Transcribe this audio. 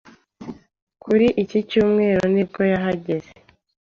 Kuri iki cyumweru nibwo yahageze